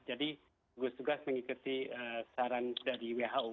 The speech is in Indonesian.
jadi gugus tugas mengikuti saran dari who